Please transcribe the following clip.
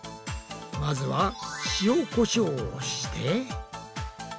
まずは塩こしょうをして。